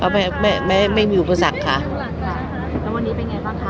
ไม่ไม่ไม่มีอุปสรรคค่ะแล้ววันนี้เป็นไงบ้างคะ